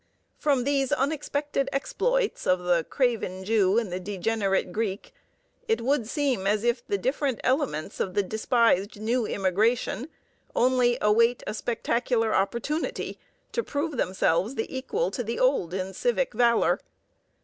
From these unexpected exploits of the craven Jew and the degenerate Greek, it would seem as if the different elements of the despised "new" immigration only await a spectacular opportunity to prove themselves equal to the "old" in civic valor.